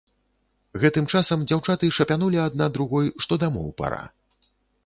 Гэтым часам дзяўчаты шапянулі адна другой, што дамоў пара.